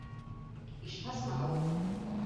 Ишԥасмаҳауеи!